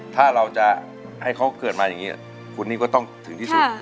ถ้าเราจะให้เขาเกิดมาอย่างนี้คุณนี่ก็ต้องถึงที่สุด